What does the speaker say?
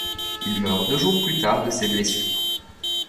Il meurt deux jours plus tard de ses blessures.